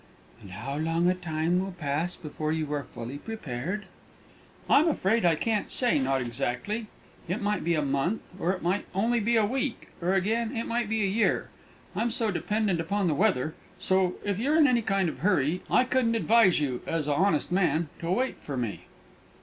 "And how long a time will pass before you are fully prepared?" "I'm afraid I can't say, not exactly; it may be a month, or it might only be a week, or again, it may be a year. I'm so dependent upon the weather. So, if you're in any kind of a hurry, I couldn't advise you, as a honest man, to wait for me."